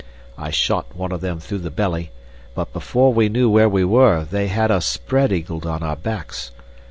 I shot one of them through the belly, but before we knew where we were they had us spread eagled on our backs.